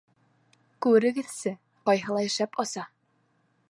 — Күрегеҙсе, ҡайһылай шәп оса!